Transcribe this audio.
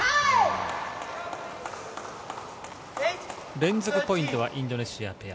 連続ポイントはインドネシアペア。